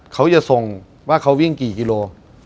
เขาจะส่งว่าเขาวิ่งกี่กิโล